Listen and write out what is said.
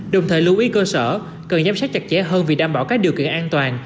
đồng thời lưu ý cơ sở cần giám sát chặt chẽ hơn vì đảm bảo các điều kiện an toàn